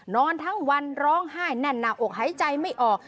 นอนทั้งวันร้องไห้แน่นหน้าอกหายใจไม่ออก